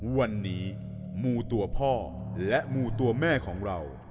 วันนี้มูตัวพ่อและมูตัวแม่ของเรา